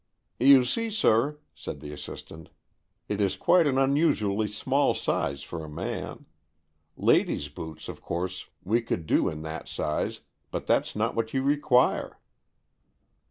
"You see, sir," said the assistant, "it is quite an unusually small size for a man. Ladies' boots, of course, we could do in that size, but that's not what you require."